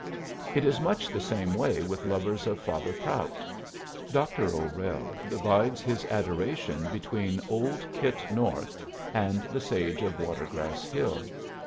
It is much the same way with lovers of Father Prout. Dr. O'Rell divides his adoration between old Kit North and the sage of Watergrass Hill.